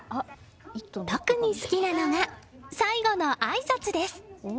特に好きなのが最後のあいさつです。